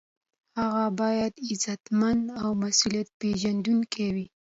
هغه باید عزتمند او مسؤلیت پیژندونکی وي.